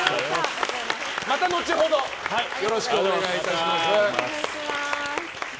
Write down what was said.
また後ほどよろしくお願いします。